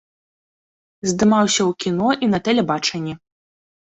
Здымаўся ў кіно і на тэлебачанні.